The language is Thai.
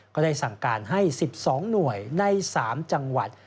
ก็ได้สั่งการให้๑๒หน่วยใน๓จังหวัด